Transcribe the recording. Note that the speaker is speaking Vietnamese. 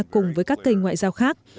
cùng với các kênh ngoại giao khác